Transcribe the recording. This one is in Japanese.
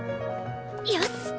よし！